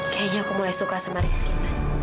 kayaknya aku mulai suka sama rizky